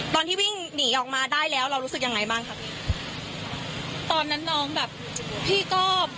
ตอนที่วิ่งหนีออกมาได้แล้วเรารู้สึกยังไงบ้างครับพี่ตอนนั้นน้องแบบพี่ก็